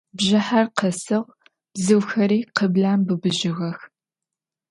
Бжыхьэр къэсыгъ, бзыухэри къыблэм быбыжьыгъэх.